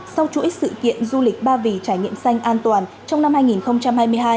sau chuỗi sự kiện du lịch ba vì trải nghiệm xanh an toàn trong năm hai nghìn hai mươi hai